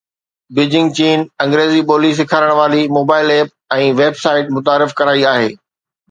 Beijing چين انگريزي ٻولي سيکارڻ واري موبائل ايپ ۽ ويب سائيٽ متعارف ڪرائي آهي